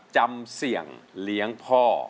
จำเสี่ยงเลี้ยงพ่อ